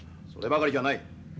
そればかりじゃない。